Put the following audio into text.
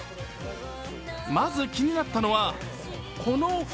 まず気になったのは、この袋。